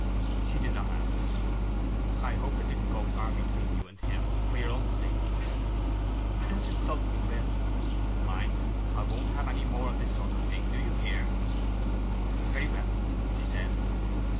She did not answer. 'I hope it didn't go far between you and him, for your own sake.' 'Don't insult me, Will.' 'Mind, I won't have any more of this sort of thing; do you hear?' 'Very well,' she said.